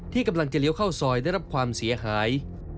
กำลังจะเลี้ยวเข้าซอยได้รับความเสียหาย